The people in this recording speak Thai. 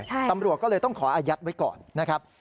ตำรวจก็เลยต้องขออายัดไว้ก่อนนะครับ